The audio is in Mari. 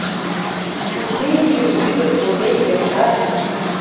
Кузе йӱр вӱдым коден кертат?